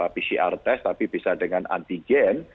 pcr test tapi bisa dengan anti gen